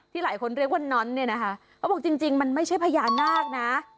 หลายคนเรียกว่าน้อนเนี่ยนะคะเขาบอกจริงมันไม่ใช่พญานาคนะ